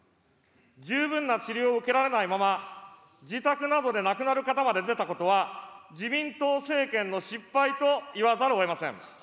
十分な治療を受けられないまま、自宅などで亡くなる方まで出たことは、自民党政権の失敗といわざるをえません。